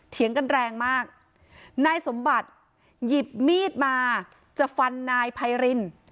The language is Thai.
เถียงกันแรงมากนายสมบัติหยิบมีดมาจะฟันนายไพริน